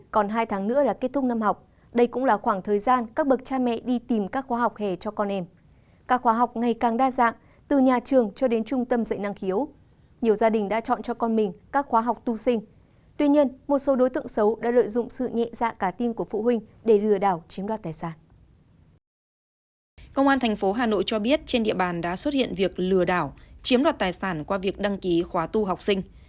công an thành phố hà nội cho biết trên địa bàn đã xuất hiện việc lừa đảo chiếm đoạt tài sản qua việc đăng ký khóa tu học sinh